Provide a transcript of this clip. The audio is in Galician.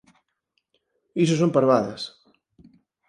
Iso son parvadas!